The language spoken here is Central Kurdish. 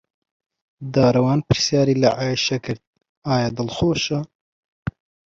دارەوان پرسیاری لە عایشە کرد ئایا دڵخۆشە.